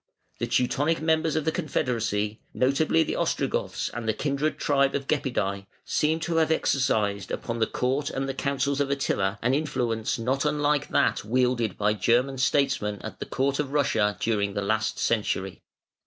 The Teutonic members of the confederacy, notably the Ostrogoths and the kindred tribe of Gepidæ seem to have exercised upon the court and the councils of Attila an influence not unlike that wielded by German statesmen at the court of Russia during the last century.